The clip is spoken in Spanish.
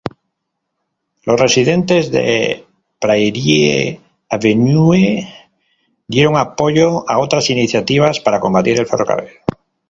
Los residentes de Prairie Avenue dieron apoyo a otras iniciativas para combatir el ferrocarril.